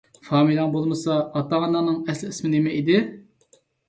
فامىلەڭ بولمىسا، ئاتا - ئاناڭنىڭ ئەسلىي ئىسمى نېمە ئىدى؟